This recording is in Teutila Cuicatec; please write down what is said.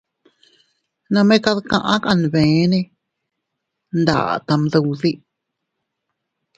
Nome kad kaʼa kanbene nda tam duddi.